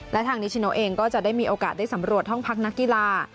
และทางนิชิโนเองก็จะได้มีโอกาสได้สำรวจห้องพักนักกีฬา